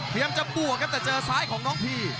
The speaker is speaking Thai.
พยายามจะบวกครับแต่เจอซ้ายของน้องพี